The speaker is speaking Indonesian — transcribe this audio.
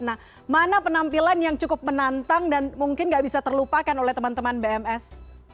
nah mana penampilan yang cukup menantang dan mungkin gak bisa terlupakan oleh teman teman bms